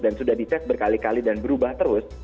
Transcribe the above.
dan sudah di tes berkali kali dan berubah terus